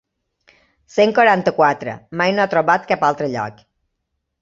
Cent quaranta-quatre mai no ha trobat a cap altre lloc.